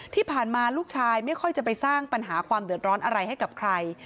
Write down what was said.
ที่ผ่านมาลูกชายไม่ค่อยจะไปสร้างปัญหาความเดือดร้อนอะไรให้กับใคร